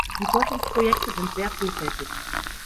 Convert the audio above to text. Die Forschungsprojekte sind sehr vielfältig.